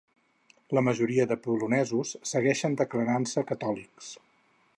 La majoria dels polonesos segueixen declarant-se catòlics.